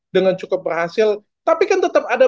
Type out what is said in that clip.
dengan cukup berhasil tapi kan tetap ada